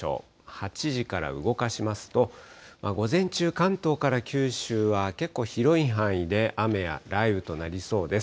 ８時から動かしますと、午前中、関東から九州は、結構広い範囲で、雨や雷雨となりそうです。